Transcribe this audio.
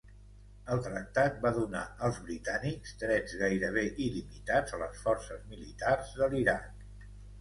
El tractat va donar als britànics drets gairebé il·limitats a les forces militars de l'Iraq.